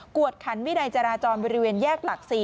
วดขันวินัยจราจรบริเวณแยกหลัก๔